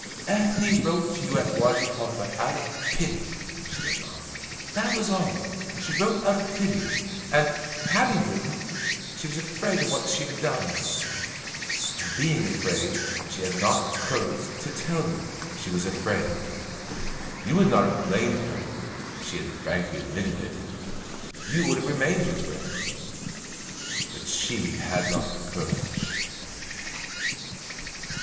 "Ethne wrote to you at Wadi Halfa out of pity," she went on, "that was all. She wrote out of pity; and, having written, she was afraid of what she had done; and being afraid, she had not courage to tell you she was afraid. You would not have blamed her, if she had frankly admitted it; you would have remained her friend. But she had not the courage."